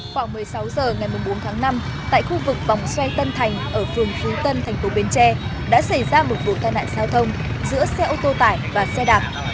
bây giờ ngày một mươi bốn tháng năm tại khu vực vòng xoay tân thành ở phường phú tân thành phố bến tre đã xảy ra một vụ tai nạn giao thông giữa xe ô tô tải và xe đạp